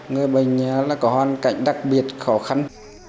người bệnh có hoàn cảnh đặc biệt khó khăn